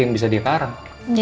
yang bisa dia karang